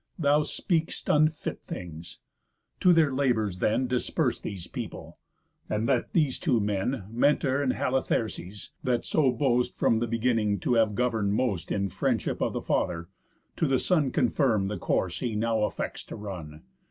_ Thou speak'st unfit things. To their labours then Disperse these people; and let these two men, Mentor and Halitherses, that so boast From the beginning to have govern'd most In friendship of the father, to the son Confirm the course he now affects to run.